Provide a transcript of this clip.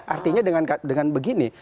artinya dengan begini